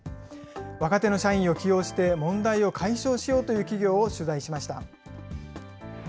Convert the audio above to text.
若手の社員を起用して問題を解消しようという企業を取材しました。